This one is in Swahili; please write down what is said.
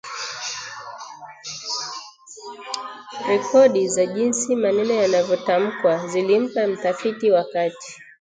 Rekodi za jinsi maneno yanavyotamkwa zilimpa mtafiti wakati